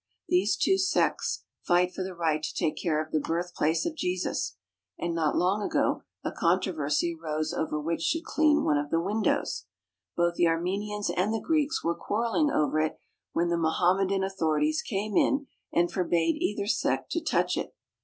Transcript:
These two sects fight for the right to take care of the birthplace of Jesus, and not long ago a controversy arose over which should clean one of the windows. Both the Armenians and the Greeks were quarrelling over it when the Mohammedan authorities came in and forbade either sect to touch it.